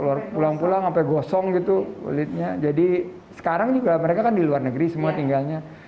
keluar pulang pulang sampai gosong gitu kulitnya jadi sekarang juga mereka kan di luar negeri semua tinggalnya